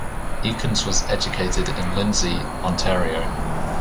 Eakins was educated in Lindsay, Ontario.